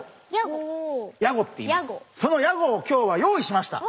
そのヤゴを今日は用意しました。